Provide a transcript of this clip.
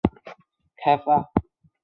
此技术本来是为射电天文学开发。